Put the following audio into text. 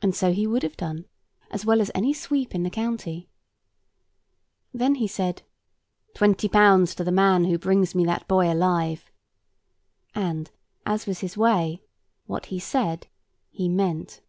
And so he would have done, as well as any sweep in the county. Then he said— "Twenty pounds to the man who brings me that boy alive!" and as was his way, what he said he meant.